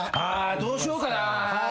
どうしようかなぁ。